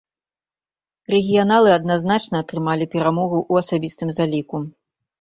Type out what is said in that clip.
Рэгіяналы адназначна атрымалі перамогу ў асабістым заліку.